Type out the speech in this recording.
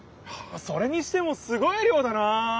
それにしてもすごい量だな！